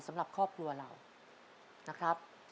สำหรับครอบครัวเรานะครับ